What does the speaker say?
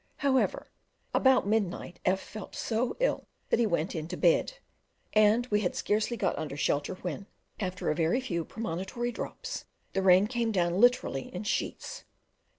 However, about midnight F felt so ill that he went in to bed, and we had scarcely got under shelter when, after a very few premonitory drops, the rain came down literally in sheets.